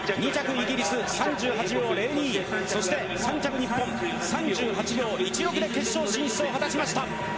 イギリス３８秒０２そして３着、日本３８秒１６で決勝進出を果たしました。